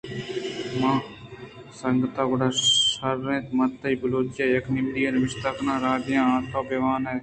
من: سنگت، گُڑا شر اِنت من ترا بلوچی ءَ یک نمدی یے نبشتہ کنان ءُ راہ دے آں تو بہ وان ئے